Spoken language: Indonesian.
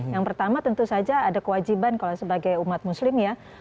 yang pertama tentu saja ada kewajiban kalau sebagai umat muslim ya